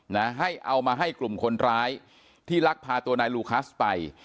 นะให้เอามาให้กลุ่มคนร้ายที่ลักพาตัวนายลูคัสไป